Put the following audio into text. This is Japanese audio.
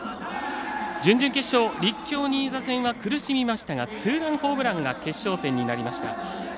準々決勝、立教新座戦は苦しみましたがツーランホームランが決勝点になりました。